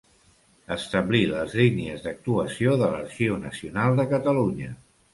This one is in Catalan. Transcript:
Establir les línies d'actuació de l'Arxiu Nacional de Catalunya.